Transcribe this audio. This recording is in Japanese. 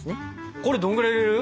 これどんぐらい入れる？